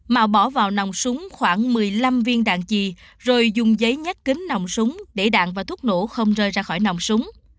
mà bỏ vào nòng súng khoảng một mươi năm viên đạn trì rồi dùng giấy nhắc kính nòng súng để đạn và thuốc nổ không rơi ra khỏi nòng súng